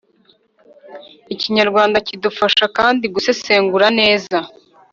ikinyarwanda kidufasha kandi gusesengura neza